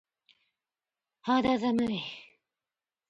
肌寒い。